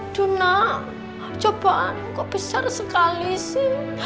duna coba kok besar sekali sih